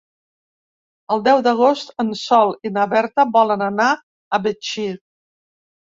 El deu d'agost en Sol i na Berta volen anar a Betxí.